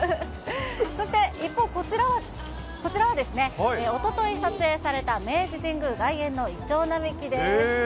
そして一方、こちらは、おととい撮影された明治神宮外苑のいちょう並木です。